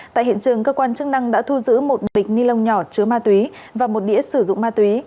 tại hiện trường cơ quan chức năng đã thu giữ một bịch ni lông nhỏ chứa ma túy và một đĩa sử dụng ma túy